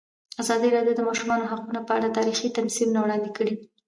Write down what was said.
ازادي راډیو د د ماشومانو حقونه په اړه تاریخي تمثیلونه وړاندې کړي.